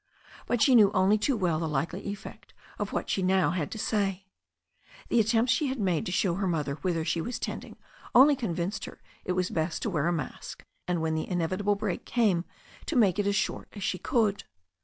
But she knew only too well the likely effect of what she now had to say. The attempts she had made to show her mother whither she was tending only convinced her it was best to wear a mask, and when the inevitable break came to make it as short as she could.